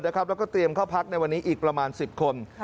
แล้วก็เตรียมเข้าพักในวันนี้อีกประมาณ๑๐คน